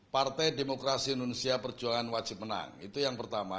partai demokrasi indonesia perjuangan wajib menang itu yang pertama